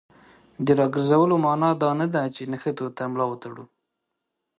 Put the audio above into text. د راګرځولو معنا دا نه ده چې نښتو ته ملا وتړو.